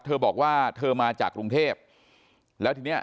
เธอบอกว่าเธอมาจากกรุงเทพแล้วทีเนี้ย